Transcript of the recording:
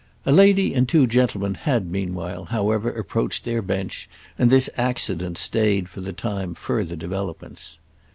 A lady and two gentlemen had meanwhile, however, approached their bench, and this accident stayed for the time further developments.